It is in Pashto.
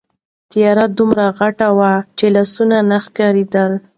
تیاره دومره غټه وه چې لاس نه ښکارېده.